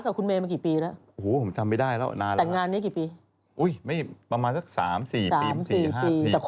แล้วเวลาไปอย่างงี้หวานมั้ยทำหวานมั้ยนี่ทำมั้ยทำไม่ได้